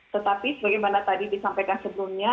tetapi sebagaimana tadi disampaikan sebelumnya